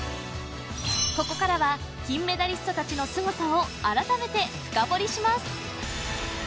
ここからは金メダリストたちのすごさを改めて深掘りします